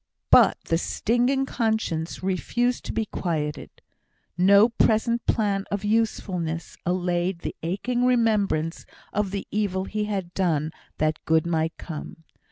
But the stinging conscience refused to be quieted. No present plan of usefulness allayed the aching remembrance of the evil he had done that good might come.